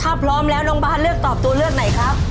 ถ้าพร้อมแล้วน้องบ้านเลือกตอบตัวเลือกไหนครับ